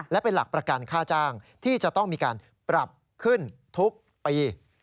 และเป็นหลักประกันค่าจ้างที่จะต้องมีการปรับขึ้นทุกปี